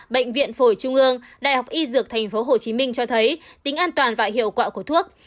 bệnh viện phổi trung ương đại học y dược tp hcm cho thấy tính an toàn và hiệu quả của thuốc